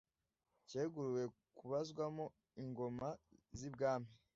cyeguriwe kubazwamo ingoma z’i Bwami